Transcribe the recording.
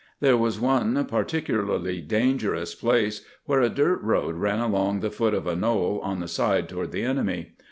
There was one particularly dangerous place where a dirt road ran along the foot of a knoll on the side toward the enemy.